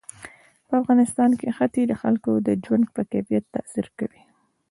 په افغانستان کې ښتې د خلکو د ژوند په کیفیت تاثیر کوي.